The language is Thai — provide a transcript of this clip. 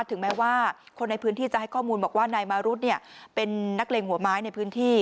ถึงแม้ว่าคนในพื้นที่จะให้ข้อมูลบอกว่านายมารุธเป็นนักเลงหัวไม้ในพื้นที่